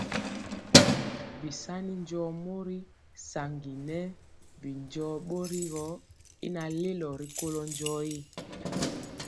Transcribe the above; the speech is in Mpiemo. Bisani njɔɔ mori saŋgi nɛ bi du njɔɔ bori y naŋ lelo rikolo njɔɔtyi.